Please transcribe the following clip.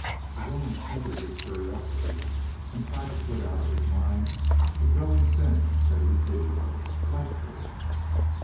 Jean smothered his curiosity and tried to put out of his mind a growing sense that he pitied her, liked her.